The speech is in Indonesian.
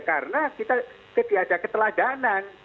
karena kita jadi ada keteladanan